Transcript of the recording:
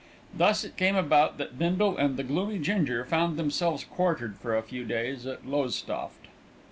Thus it came about that Bindle and the gloomy Ginger found themselves quartered for a few days at Lowestoft.